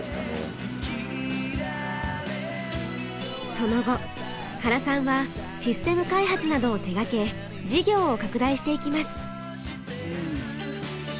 その後原さんはシステム開発などを手がけ事業を拡大していきます。